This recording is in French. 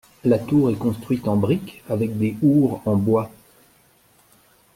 La tour est construite en brique avec des hourds en bois.